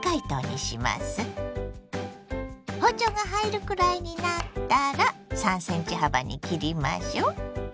包丁が入るくらいになったら３ｃｍ幅に切りましょ。